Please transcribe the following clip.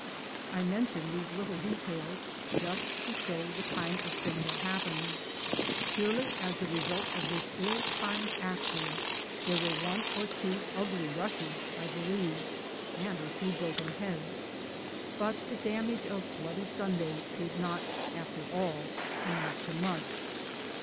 I mention these little details just to show the kind of thing that happens. Purely as the result of this ill timed action there were one or two ugly rushes I believe and a few broken heads ; but the damage of ' Bloody Sunday ' did not after all amount to much.